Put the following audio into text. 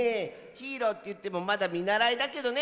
ヒーローっていってもまだみならいだけどね。